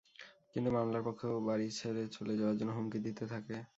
কিন্তু মামলার পক্ষ বাড়ি ছেড়ে চলে যাওয়ার জন্য হুমকি দিতে থাকে।